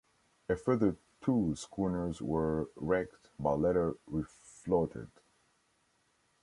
A further two schooners were wrecked but later re-floated.